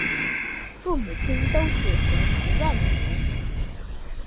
父母亲都是河南望族。